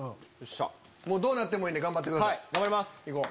もうどうなってもいいんで頑張ってください。